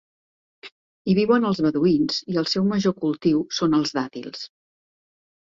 Hi viuen els beduïns i el seu major cultiu són els dàtils.